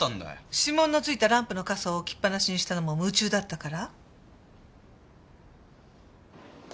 指紋のついたランプの笠を置きっぱなしにしたのも夢中だったから？